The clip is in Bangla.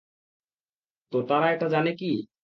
তো তারা এটা জানে কি?